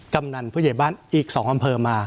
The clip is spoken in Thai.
กำนันผู้ใหญ่บ้านอีก๒อำเภอมา